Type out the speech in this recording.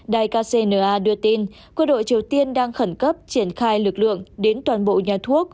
đài kcna đưa tin quân đội triều tiên đang khẩn cấp triển khai lực lượng đến toàn bộ nhà thuốc